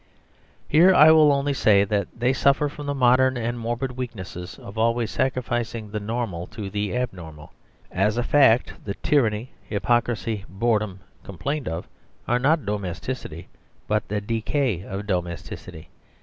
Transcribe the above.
Here I will only say that they suffer from the modern and morbid weaknesses of always sacrificing the normal to the abnormal. As a fact the "tyranny, hypocrisy and boredom" complained of are not domesticity, but the decay of domesticity.